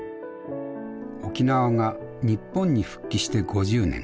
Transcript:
沖縄が日本に復帰して５０年。